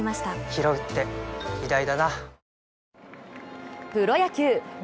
ひろうって偉大だな